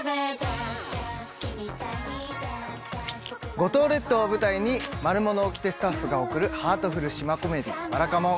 五島列島を舞台に『マルモのおきて』スタッフが送るハートフル島コメディー『ばらかもん』